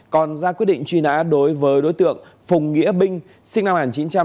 còn ra quyết định truy nã đối với đối tượng phùng nghĩa binh sinh năm một nghìn chín trăm tám mươi